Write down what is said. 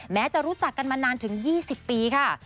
แม้จะรู้จักกันมานานถึง๒๐ปีค่ะ